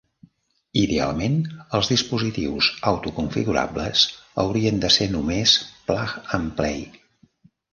Idealment, els dispositius autoconfigurables haurien de ser només "plug and play".